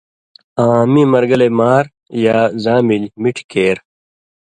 آں میں مرگلئ مار یا زاں ملیۡ مِٹھیۡ کېر،